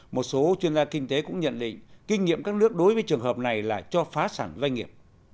một số chuyên gia kinh tế cũng nhận định kinh nghiệm các nước đối với trường hợp này là cho phá sản doanh nghiệp